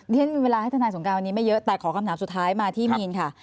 ฉันมีเวลาให้ทนายสงการวันนี้ไม่เยอะแต่ขอคำถามสุดท้ายมาที่มีนค่ะ